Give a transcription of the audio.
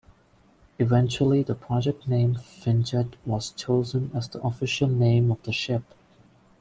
Eventually the project name "Finnjet" was chosen as the official name of the ship.